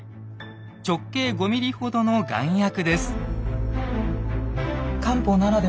直径５ｍｍほどの丸薬です。